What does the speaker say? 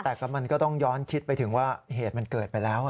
แต่มันก็ต้องย้อนคิดไปถึงว่าเหตุมันเกิดไปแล้ว